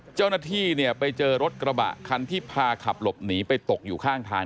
เจ้าหน้าที่เนี่ยไปเจอรถกระบะคันที่พาขับหลบหนีไปตกอยู่ข้างทาง